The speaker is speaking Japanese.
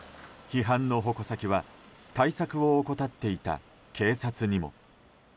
批判の矛先は対策を怠っていた警察にも。